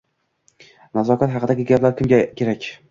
Nazokat haqidagi gaplar kimga kerak?